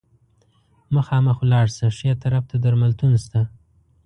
مخامخ ولاړ شه، ښي طرف ته درملتون شته.